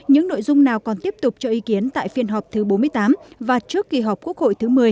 những nội dung nào còn tiếp tục cho ý kiến tại phiên họp thứ bốn mươi tám và trước kỳ họp quốc hội thứ một mươi